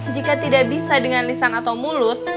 jika tidak bisa dengan lisan atau mulut